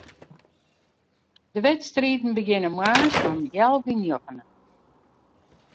De wedstriden begjinne moarns om healwei njoggenen.